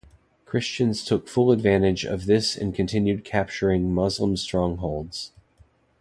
Christians took full advantage of this and continued capturing Muslim strongholds.